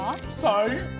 最高！